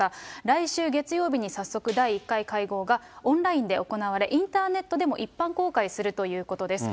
来週月曜日に早速第１回会合が、オンラインで行われ、インターネットでも一般公開するということです。